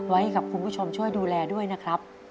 ไว้กับคุณผู้ชมช่วยดูแลด้วยนะครับ